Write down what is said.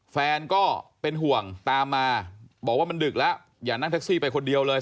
แฟนก็เป็นห่วงตามมาบอกว่ามันดึกแล้วอย่านั่งแท็กซี่ไปคนเดียวเลย